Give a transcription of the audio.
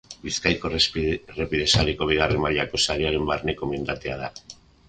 Bizkaiko errepide sareko, bigarren mailako sarearen barneko mendatea da.